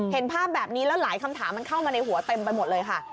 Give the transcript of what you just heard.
เห็นภาพแบบนี้แล้วหลายคำถามมันเข้ามาในหัวเต็มไปหมดเลยค่ะ